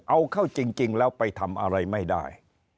เอาเข้าจริงแล้วไปทำอะไรไม่ได้